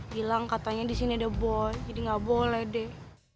bilang katanya di sini ada boy jadi nggak boleh deh